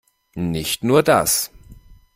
Nicht nur das.